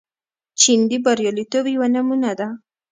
چین د بریالیتوب یوه نمونه ده.